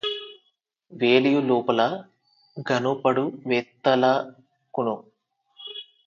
వెలియు లోపలఁ గనుపడువేత్తలకును